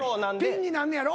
ピンになんねやろ？